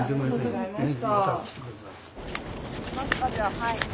はい。